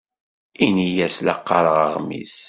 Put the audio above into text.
Ini-as la qqareɣ aɣmis.